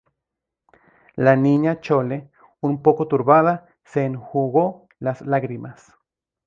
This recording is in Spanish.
la Niña Chole, un poco turbada, se enjugó las lágrimas.